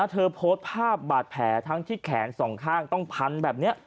เธอโพสต์ภาพบาดแผลทั้งที่แขนสองข้างต้องพันแบบนี้